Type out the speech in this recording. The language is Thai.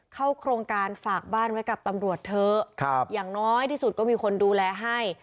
เข้าโครงการฝากบ้านไว้กับตำรวจเถอะอย่างน้อยที่สุดก็มีคนดูแลให้